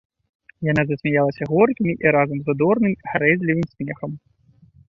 Яна засмяялася горкім і разам задорным, гарэзлівым смехам.